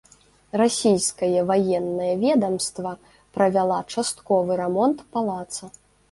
Расійскае ваеннае ведамства правяла частковы рамонт палаца.